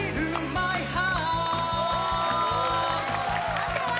判定は？